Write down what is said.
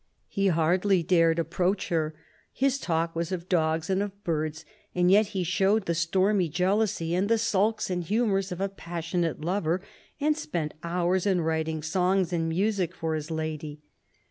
He hardly dared approach her ; his talk was of dogs and of birds ; and yet he showed the stormy jealousy and the sulks and humours of a passionate lover, and spent hours in writing songs and music for his lady.